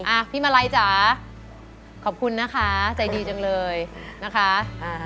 อ่ะพี่มาลัยจ๋าขอบคุณนะคะใจดีจังเลยนะคะอ่า